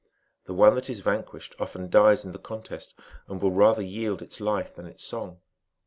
The one that is vanquished, often dies in the contest, and will rather yield its life than its song.